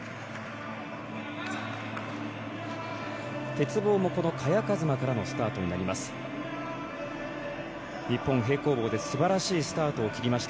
鉄棒もこの萱和磨からのスタートになります。